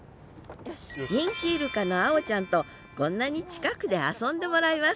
人気イルカの碧ちゃんとこんなに近くで遊んでもらいます